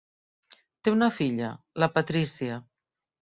Té una filla, la Patrícia.